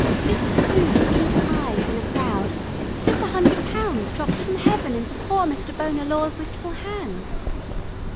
Just two pleased eyes in a crowd, just a hundred pounds dropped from heaven into poor Mr. Bonar Law's wistful hand...."